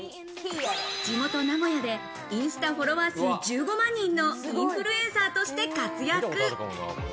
地元名古屋でインスタフォロワー数１５万人のインフルエンサーとして活躍。